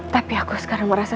tapi aku sekarang merasa